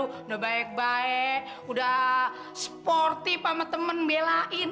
sudah baik baik udah sportif sama temen belain